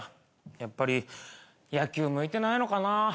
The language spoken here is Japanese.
やっぱり野球向いてないのかな。